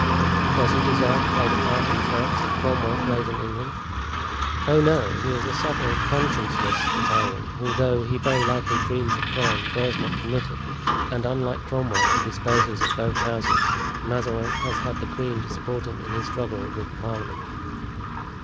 "Does he desire to play the part in France that Cromwell plays in England?" "Oh, no! He is a subtle, conscienceless Italian, who though he very likely dreams of crime, dares not commit it; and unlike Cromwell, who disposes of both Houses, Mazarin has had the queen to support him in his struggle with the parliament."